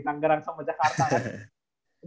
tangga rangsang sama jakarta kan